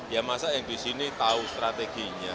ya masa yang di sini tahu strateginya